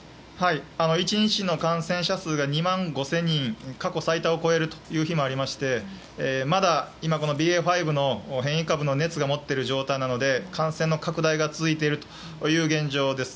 １日の感染者数が２万５０００人過去最多を超えるという日もありましてまだ今、ＢＡ．５の変異株の熱が持っている状態なので感染の拡大が続いているという現状です。